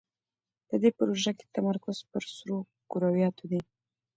په دې پروژه کې تمرکز پر سرو کرویاتو دی.